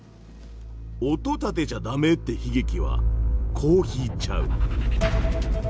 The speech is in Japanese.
音立てちゃ駄目って悲劇はこう引いちゃう。